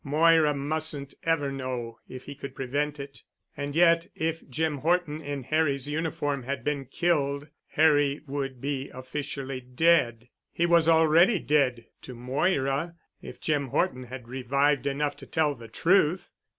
Moira mustn't ever know if he could prevent it. And yet if Jim Horton in Harry's uniform had been killed Harry would be officially dead. He was already dead, to Moira, if Jim Horton had revived enough to tell the truth.